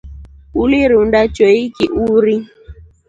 Ulirunda choiki uruu.